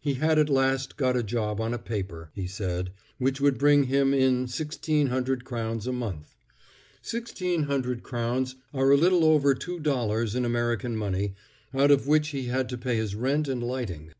He had at last got a job on a paper, he said, which would bring him in 1600 crowns a month. 1600 crowns are a little over two dollars in American money, out of which he had to pay his rent and lighting.